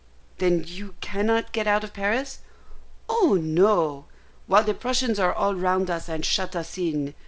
"Then you cannot get out of Paris?" "Oh no, while the Prussians are all round us, and shut us in.